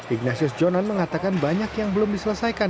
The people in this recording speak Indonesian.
ignatius jonan mengatakan banyak yang belum diselesaikan